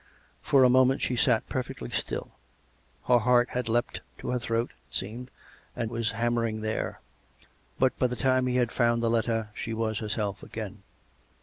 For a moment she sat perfectly still; her heart had leapt to her throat, it seemed, and was hannuering there. ... But by the time he had found the letter she was herself again.